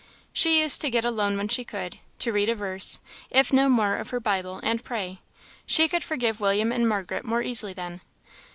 She used to get alone when she could, to read a verse, if no more, of her Bible, and pray; she could forgive William and Margaret more easily then.